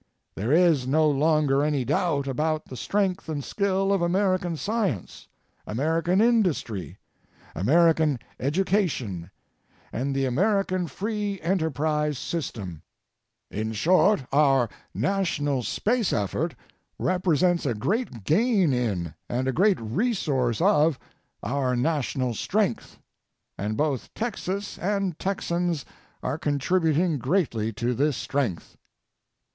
There is no longer any doubt about the strength and skill of American science, American industry, American education, and the American free enterprise system. In short, our national space effort represents a great gain in, and a great resource of, our national strength ŌĆō and both Texas and Texans are contributing greatly to this strength.